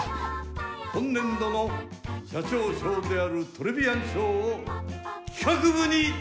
今年度の社長賞であるトレビアン賞を企画部に授与します。